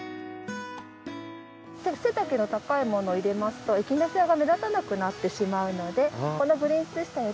背丈の高いものを入れますとエキナセアが目立たなくなってしまうのでこの‘グリーン・ツイスター